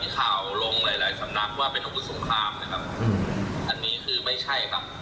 ข่าวลงหลายหลายสำนักว่าเป็นอาวุธสงครามนะครับอันนี้คือไม่ใช่ครับ